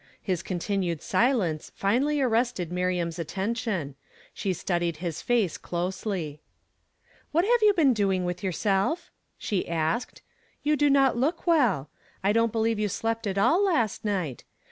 His continued silence finally arrested Miriam's atten tion ; she studied his face closely. " Wliat have you been doing with youi self ?" she asked; "you do not look well. I don't believe you slept at all last night.